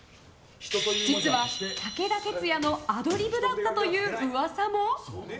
実は武田鉄矢のアドリブだったという噂も。